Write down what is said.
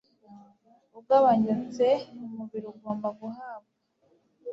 ugabanyutse umubiri ugomba guhabwa